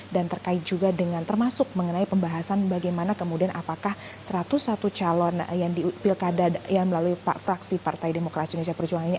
dan terkait juga dengan termasuk mengenai pembahasan bagaimana kemudian apakah satu ratus satu calon yang di pilkada yang melalui fraksi partai demokrasi indonesia perjuangan ini